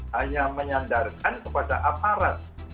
hanya menyandarkan kepada aparat